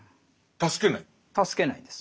助けないんです。